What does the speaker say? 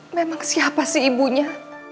memang siapa sih ibunya